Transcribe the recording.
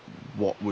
無理。